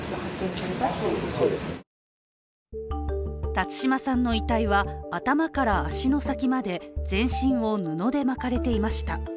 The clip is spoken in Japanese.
辰島さんの遺体は、頭から足の先まで全身を布で巻かれていました。